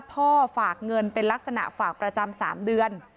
ฝากเงินเป็นลักษณะฝากประจำ๓เดือน